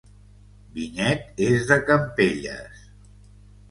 Vinyet és de Campelles